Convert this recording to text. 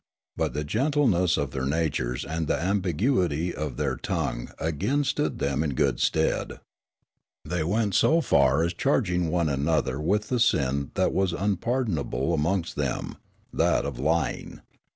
But the gentleness of their natures and the ambiguity of their tongue again stood them in good stead. They went so far as charging one another with the sin that was unpardonable amongst them, that of lying.